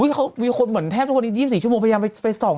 อุ้ยเขาเหมือนแทบทุกคนอีก๒๔ชั่วโมงพยายามไปส่อง